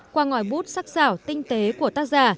qua ngòi bút sắc xảo tinh tế của tác giả